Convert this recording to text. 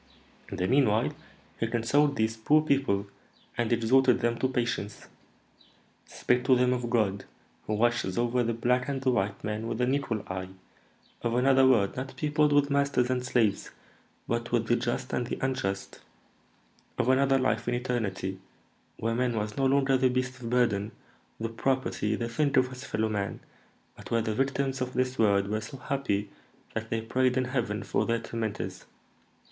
In the meanwhile, he consoled these poor people, and exhorted them to patience; spake to them of God, who watches over the black and the white man with an equal eye; of another world not peopled with masters and slaves, but with the just and the unjust; of another life in eternity, where man was no longer the beast of burden, the property, the thing of his fellow man, but where the victims of this world were so happy that they prayed in heaven for their tormentors.